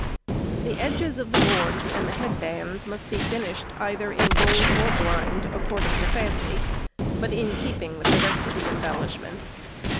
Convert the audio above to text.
] The edges of the boards and the headbands must be finished either in gold or blind, according to fancy, but in keeping with the rest of the embellishment.